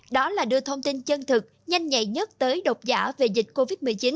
đó là đưa thông tin chân thực nhanh nhạy nhất tới độc giả về dịch covid một mươi chín